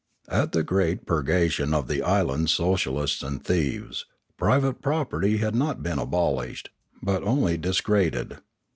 At the great pur gation of the island's socialists and thieves, private property had not been abolished, but only disgraded.